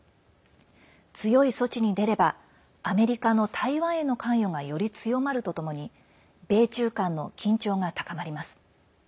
強い措置に出ればアメリカの台湾への関与がより強まるとともに米中間の緊張が高まります。